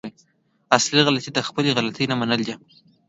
اصلي غلطي د خپلې غلطي نه منل دي.